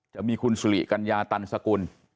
จะมีคุณสุริกัญญาตันสกุล